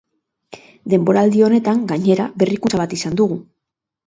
Denboraldi honetan, gainera, berrikuntza bat izan dugu.